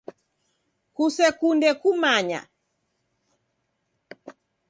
Kusekunde kumanya.